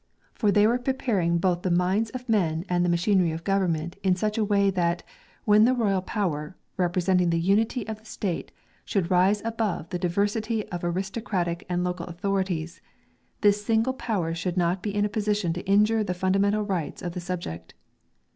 For they were preparing both the minds of men and the machinery of government in such a way that, SPANISH MEDIEVAL JURISPRUDENCE 243 when the royal power, representing the unity of the State, should rise above the diversity of aristocratic and local authorities, this single power should not be in a position to injure the fundamental rights of the subject.